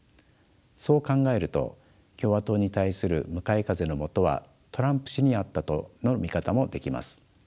そう考えると共和党に対する向かい風のもとはトランプ氏にあったとの見方もできます。